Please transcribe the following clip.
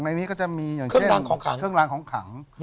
ในนี้ก็จะมีอย่างเครื่องรางของขังเครื่องรางของขัง